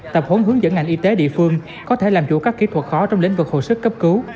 tập hướng hướng dẫn ngành y tế địa phương có thể làm chủ các kỹ thuật khó trong lĩnh vực hồi sức cấp cứu